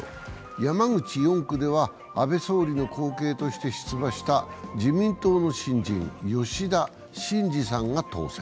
山口４区では、安倍総理の後継として出馬した自民党の新人、吉田真次さんが当選。